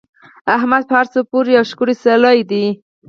احمد په هر څه پوره او ښکلی سړی دی.